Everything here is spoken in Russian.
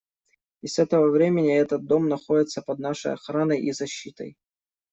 И с этого времени этот дом находится под нашей охраной и защитой.